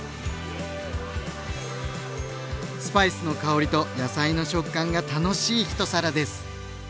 スパイスの香りと野菜の食感が楽しい一皿です！